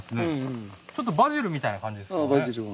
ちょっとバジルみたいな感じですね。